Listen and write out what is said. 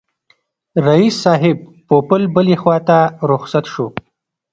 رییس صاحب پوپل بلي خواته رخصت شو.